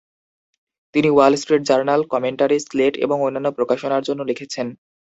তিনি "Wall Street Journal", "Commentary", "Slate" এবং অন্যান্য প্রকাশনার জন্য লিখেছেন।